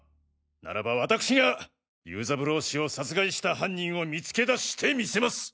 ならばわたくしが游三郎氏を殺害した犯人を見つけ出してみせます！